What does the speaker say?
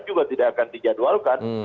juga tidak akan dijadwalkan